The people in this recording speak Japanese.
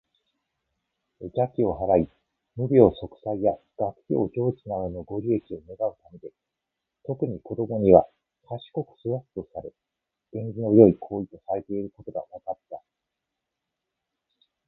邪気を払い、無病息災や学業成就などのご利益を願うためで、特に子どもには「賢く育つ」とされ、縁起の良い行為とされていることが分かった。